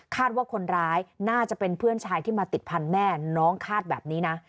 ว่าคนร้ายน่าจะเป็นเพื่อนชายที่มาติดพันธุ์แม่น้องคาดแบบนี้นะ